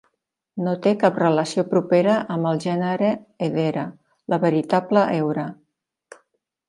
No té cap relació propera amb el gènere "Hedera", la veritable heura.